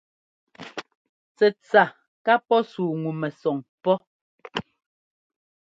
Tsɛtsa ka pɔ́ sú ŋu mɛsɔn pɔ́.